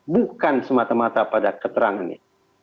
bukan semata mata pada keterangannya